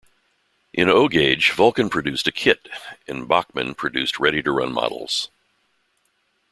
In O gauge Vulcan produced a Kit and Bachmann produced ready to run models